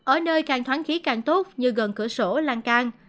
ở nơi càng thoáng khí càng tốt như gần cửa sổ lăng can